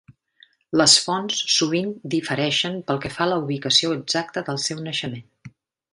Les fonts sovint difereixen pel que fa a la ubicació exacta del seu naixement.